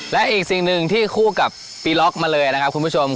และอีกสิ่งหนึ่งที่คู่กับปีล็อกมาเลยนะครับคุณผู้ชม